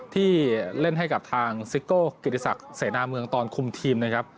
ที่เล่นให้กับทางซิโก้กิติศักดิ์เสนาเมืองตอนคุมทีมนะครับ